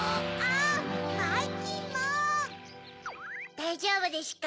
だいじょうぶでしゅか？